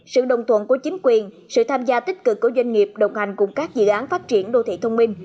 sự đồng thuận của chính quyền sự tham gia tích cực của doanh nghiệp đồng hành cùng các dự án phát triển đô thị thông minh